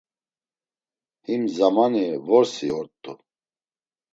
Him zamani vorsi ort̆u.